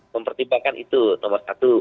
mempertimbangkan itu nomor satu